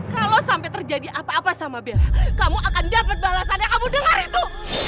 kalau sampai terjadi apa apa sama bella kamu akan dapat balasannya kamu dengar ibu